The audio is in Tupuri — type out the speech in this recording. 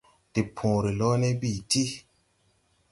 De pööre loone bi ti.